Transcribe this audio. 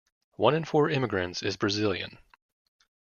One in four immigrants is Brazilian.